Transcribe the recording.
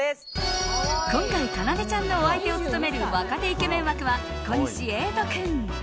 今回、かなでちゃんのお相手を務める若手イケメン枠は小西詠斗君。